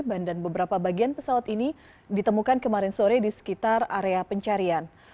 bandan beberapa bagian pesawat ini ditemukan kemarin sore di sekitar area pencarian